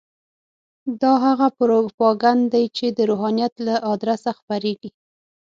دا هغه پروپاګند دی چې د روحانیت له ادرسه خپرېږي.